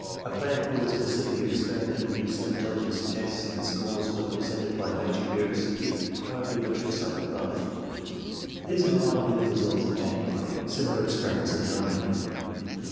A plan for the specific experimental use of intelligence tests in the schools was presented by Major Yerkes in his Harvey' lecture cited above. It is in line with results obtained by sim ilar experiments in the Army.